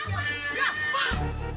pak pak kaki ayam pak